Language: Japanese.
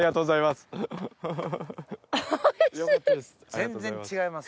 全然違います？